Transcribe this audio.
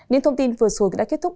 nên thông tin vừa rồi đã kết thúc